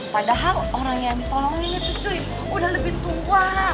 padahal orang yang tolongin itu cuy udah lebih tua